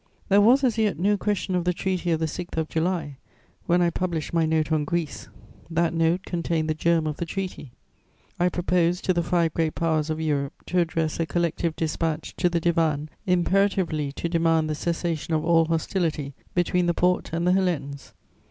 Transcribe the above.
"There was as yet no question of the Treaty of the 6th of July, when I published my Note on Greece. That Note contained the germ of the treaty: I proposed to the five Great Powers of Europe to address a collective dispatch to the Divan imperatively to demand the cessation of all hostility between the Porte and the Hellenes.